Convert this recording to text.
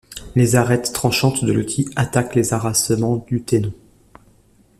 Les arêtes tranchantes de l'outil attaquent les arasements du tenon.